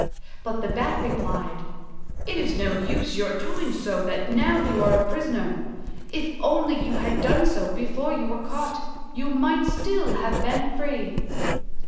But the Bat replied, "It is no use your doing that now when you are a prisoner: if only you had done so before you were caught, you might still have been free."